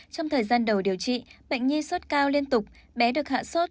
trong thời gian đầu điều trị bệnh nhi sốt cao liên tục bé được hạ sốt